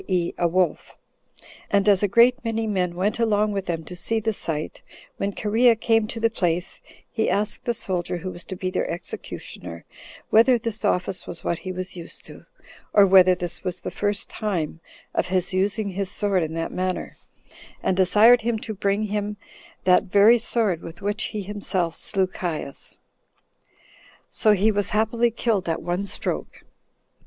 e. a wolf] And as a great many men went along with them to see the sight, when Cherea came to the place, he asked the soldier who was to be their executioner, whether this office was what he was used to, or whether this was the first time of his using his sword in that manner, and desired him to bring him that very sword with which he himself slew Caius. 15 So he was happily killed at one stroke.